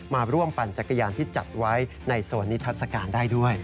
มาร่วมปั่นจักรยานที่จัดไว้ในโซนนิทัศกาลได้ด้วย